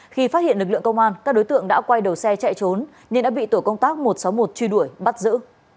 khi phát hiện lực lượng công an các đối tượng đã quay đầu xe chạy trốn nhưng đã bị tổ công tác một trăm sáu mươi một truy đuổi bắt giữ